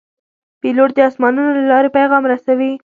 پیلوټ د آسمانونو له لارې پیغام رسوي.